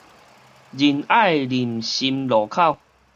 仁愛林森路口